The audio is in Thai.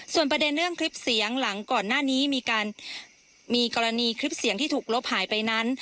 ส่วนประเด็นเรื่องคลิปเสียงหลังก่อนหน้านี้มีการมีกรณีคลิปเสียงที่ถูกลบหายไปนั้น